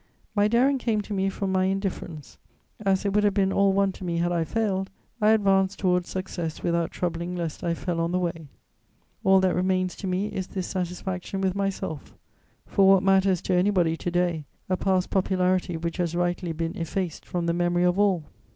My daring came to me from my indifference: as it would have been all one to me had I failed, I advanced towards success without troubling lest I fell on the way. All that remains to me is this satisfaction with myself; for what matters to anybody, to day, a past popularity which has rightly been effaced from the memory of all?